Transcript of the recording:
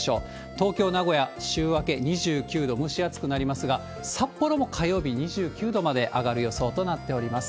東京、名古屋、週明け２９度、蒸し暑くなりますが、札幌も火曜日、２９度まで上がる予想となっております。